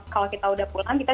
kalau kita udah pulang kita